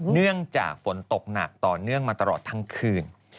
เนื่องจากฝนตกหนักต่อเนื่องมาตลอดทั้งคืน